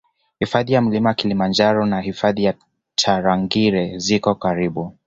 Hifadhi ya Mlima Kilimanjaro na Hifadhi ya Tarangire ziko karibu